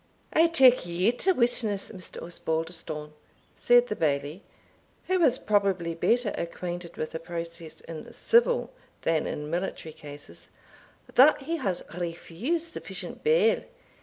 "I take you to witness, Mr. Osbaldistone," said the Bailie, who was probably better acquainted with the process in civil than in military cases, "that he has refused sufficient bail.